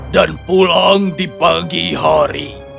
dan pulang di pagi hari